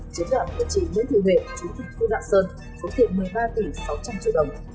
chiến đoạn của chính nguyễn thị huệ chủ tịch phố lạc sơn có tiền một mươi ba tỷ sáu trăm linh triệu đồng